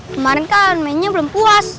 kemarin kan mainnya belum puas